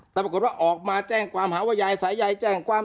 แต่ปรากฏว่าออกมาแจ้งความหาว่ายายสายยายแจ้งความ